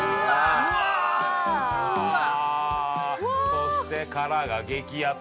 そして殻が激アツ！